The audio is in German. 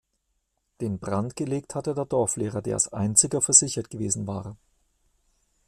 Den Brand gelegt hatte der Dorflehrer, der als einziger versichert gewesen war.